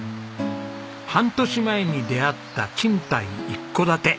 半年前に出会った賃貸一戸建て。